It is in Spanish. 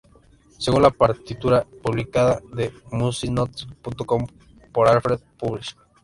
Según la partitura publicada en Musicnotes.com por Alfred Publishing Co.